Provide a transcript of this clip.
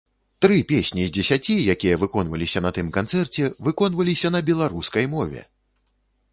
Тры песні з дзесяці, якія выконваліся на тым канцэрце, выконваліся на беларускай мове!